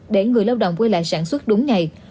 để người lao động quay lại sản xuất đúng ngày